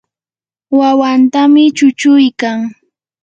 wawantami chuchuykan.